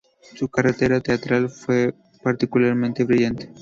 Su carrera teatral fue particularmente brillante.